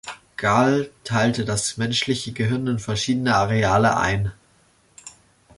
Gall teilte das menschliche Gehirn in verschiedene Areale ein.